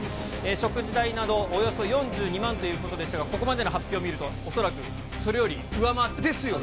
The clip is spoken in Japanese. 食事代など、およそ４２万ということでしたが、ここまでの発表見ると、恐らく、ですよね。